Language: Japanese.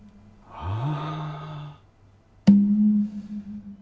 ああ？